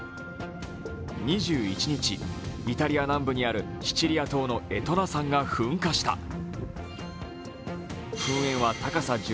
２１日、イタリア南部にあるシチリア島のエトナ山が噴火した。